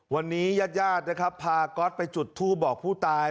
วันนี้ญาติญาตินะครับพาก๊อตไปจุดทูปบอกผู้ตาย